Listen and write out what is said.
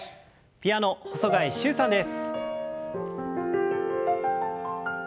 ピアノ細貝柊さんです。